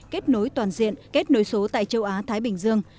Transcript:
kết nối toàn diện kết nối số tại châu á thái bình dương